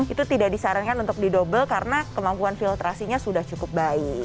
itu tidak disarankan untuk di double karena kemampuan filtrasinya sudah cukup baik